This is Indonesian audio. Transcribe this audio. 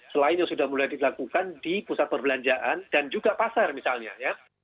selain yang sudah mulai dilakukan di pusat perbelanjaan dan juga pasar misalnya ya